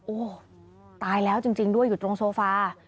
โอ้โหตายแล้วจริงด้วยอยู่ตรงโซฟา